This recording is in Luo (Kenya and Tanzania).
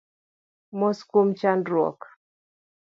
Mos kuom chandruok